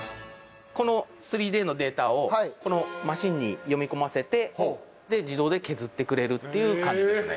この３Ｄのデータをこのマシンに読み込ませて自動で削ってくれるっていう感じですね。